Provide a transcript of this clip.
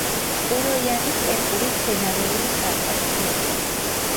უროიანი სტეპური მცენარეულ სარტყელს ქმნის.